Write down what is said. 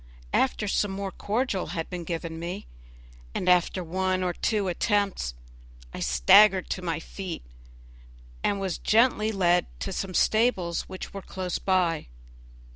After some more cordial had been given me, and after one or two attempts, I staggered to my feet, and was gently led to some stables which were close by.